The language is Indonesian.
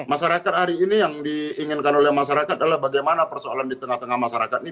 masyarakat hari ini yang diinginkan oleh masyarakat adalah bagaimana persoalan di tengah tengah masyarakat ini